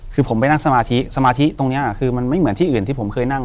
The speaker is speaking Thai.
คือผมไปนั่งสมาธิสมาธิตรงนี้คือมันไม่เหมือนที่อื่นที่ผมเคยนั่ง